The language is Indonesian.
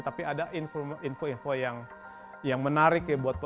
tapi ada info info yang menarik ya